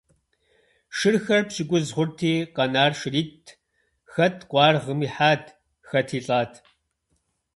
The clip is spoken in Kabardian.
Шырхэр пщыкӀуз хъурти, къэнар шыритӀт - хэт къуаргъым ихьат, хэти лӀат.